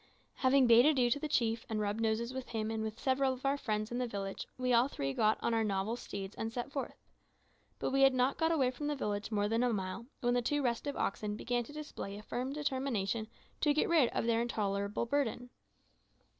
Having bade adieu to the chief and rubbed noses with him and with several of our friends in the village, we all three got upon our novel steeds and set forth. But we had not got away from the village more than a mile when the two restive oxen began to display a firm determination to get rid of their intolerable burden.